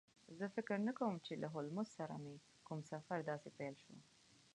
زه فکر نه کوم چې له هولمز سره مې کوم سفر داسې پیل شو